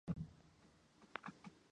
帮帮我的小孩